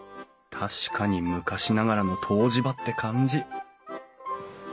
確かに昔ながらの湯治場って感じ。